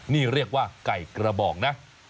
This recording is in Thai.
นี่เรียกว่าไก่กระบอกนะ